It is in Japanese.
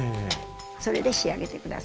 それで仕上げて下さい。